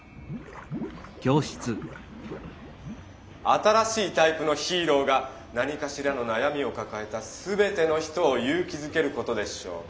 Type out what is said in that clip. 「新しいタイプのヒーローが何かしらのなやみをかかえたすべての人をゆう気づけることでしょう。